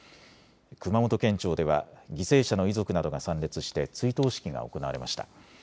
熊本県庁では犠牲者の遺族などが参列して追悼式が行われました。